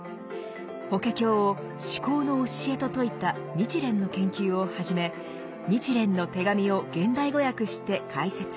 「法華経」を至高の教えと説いた日蓮の研究をはじめ「日蓮の手紙」を現代語訳して解説。